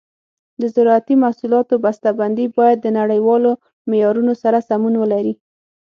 د زراعتي محصولاتو بسته بندي باید د نړیوالو معیارونو سره سمون ولري.